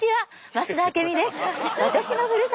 増田明美です。